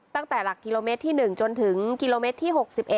ตั้งแต่หลักกิโลเมตรที่๑จนถึงกิโลเมตรที่๖๑